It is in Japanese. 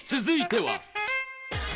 続いては。